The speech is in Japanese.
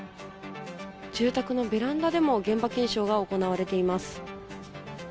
住宅のベランダでも現場検証が行われています。